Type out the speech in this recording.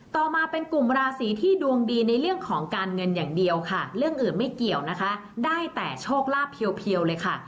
ต่อมาเป็นกลุ่มราศีที่ดวงดีในเรื่องของการเงินอย่างเดียวค่ะเรื่องอื่นไม่เกี่ยวนะคะได้แต่โชคลาภเพียวเลยค่ะ